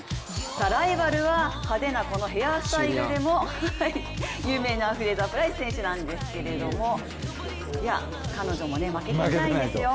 ライバルは派手なこのヘアスタイルでも有名な、フレイザープライス選手なんですけれども、彼女も負けてないんですよ。